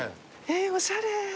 えっおしゃれ。